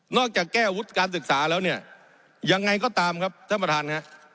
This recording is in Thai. จากแก้วุฒิการศึกษาแล้วเนี่ยยังไงก็ตามครับท่านประธานครับ